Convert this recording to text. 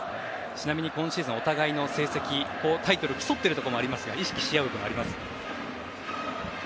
ちなみに今シーズンお互いの成績タイトルを競っているところもありますが意識し合うところはありますか？